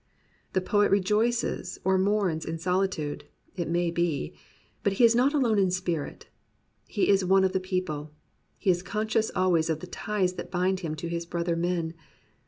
The poet rejoices or mourns in solitude, it may be, but he is not alone in spirit. He is one of the people. He is conscious always of the ties that bind him to his brother men.